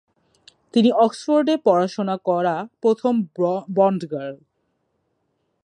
তিনি অক্সফোর্ডে পড়াশোনা করা প্রথম বন্ড গার্ল।